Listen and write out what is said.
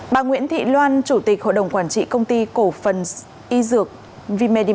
bà nguyễn thị loan chủ tịch hội đồng quản trị công ty cổ phần y dược v medimax vừa bị khởi tố về hành vi vi phạm quy định